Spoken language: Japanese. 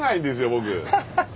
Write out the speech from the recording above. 僕。